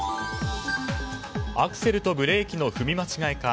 アクセルとブレーキの踏み間違えか。